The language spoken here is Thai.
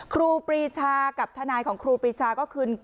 ครูปรีชากับทนายของครูปรีชาก็คือ